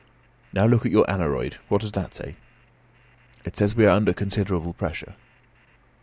"Now look at your aneroid. What does that say?" "It says we are under considerable pressure."